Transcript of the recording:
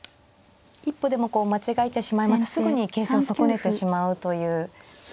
一歩でもこう間違えてしまいますとすぐに形勢を損ねてしまうという。